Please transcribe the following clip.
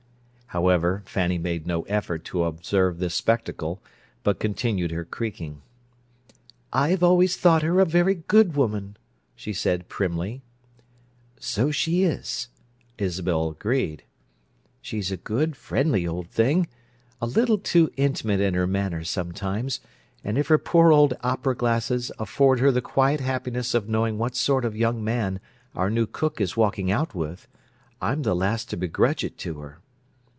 However, Fanny made no effort to observe this spectacle, but continued her creaking. "I've always thought her a very good woman," she said primly. "So she is," Isabel agreed. "She's a good, friendly old thing, a little too intimate in her manner, sometimes, and if her poor old opera glasses afford her the quiet happiness of knowing what sort of young man our new cook is walking out with, I'm the last to begrudge it to her!